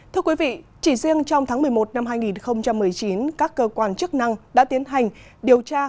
thưa quý vị chỉ riêng trong tháng một mươi một năm hai nghìn một mươi chín các cơ quan chức năng đã tiến hành điều tra